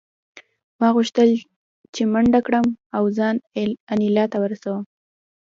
ما غوښتل چې منډه کړم او ځان انیلا ته ورسوم